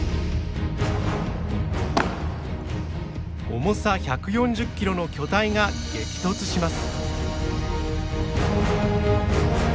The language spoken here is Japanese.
重さ１４０キロの巨体が激突します。